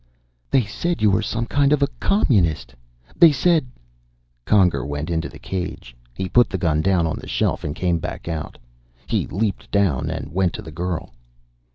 "They said you were some kind of a Communist. They said "Conger went into the cage. He put the gun down on the shelf and came back out. He leaped down and went to the girl.